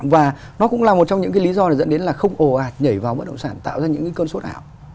và nó cũng là một trong những cái lý do là dẫn đến là không ồ ạt nhảy vào bất động sản tạo ra những cái cơn sốt ảo